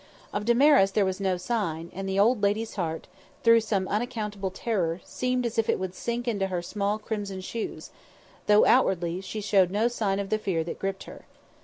Of Damaris there was no sign, and the old lady's heart, through some unaccountable terror, seemed as if it would sink into her small crimson shoes, though outwardly she showed no sign of the fear that gripped her.